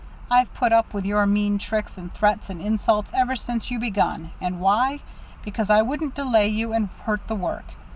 I've put up with your mean tricks and threats and insults ever since you begun and why? Because I wouldn't delay you and hurt the work.